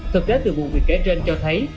thực tế từ vụ việc kể trên cho thấy